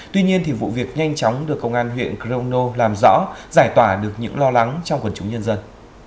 tuy nhiên vụ việc nhanh chóng được công an huyện crono làm rõ giải tỏa được những lo lắng trong quần chúng nhân dân